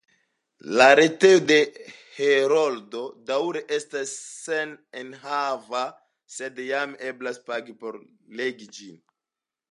La retejo de Heroldo daŭre estas senenhava, sed jam eblas pagi por legi ĝin.